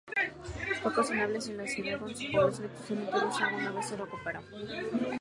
Fue cuestionable si la ciudad, con su población exclusivamente rusa, alguna vez se recuperó.